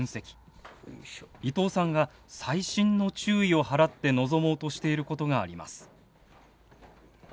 伊藤さんが細心の注意を払って臨もうとしていることがあります。